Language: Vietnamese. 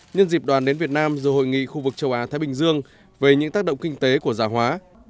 nhân dịp đoàn đến việt nam rồi hội nghị khu vực châu á thái bình dương về những tác động kinh tế của gia hóa